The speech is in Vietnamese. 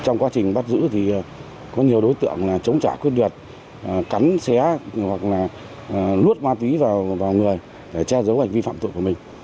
trong quá trình bắt giữ thì có nhiều đối tượng chống trả quyết liệt cắn xé hoặc là lút ma túy vào người để che giấu hành vi phạm tội của mình